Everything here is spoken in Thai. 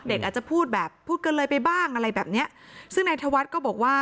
เด็กอาจจะพูดแบบพูดกันเลยไปบ้างอะไรแบบเนี้ยซึ่งนายธวัฒน์ก็บอกว่า